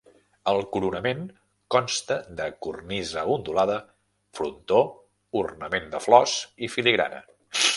El coronament consta de cornisa ondulada, frontó, ornament de flors i filigrana.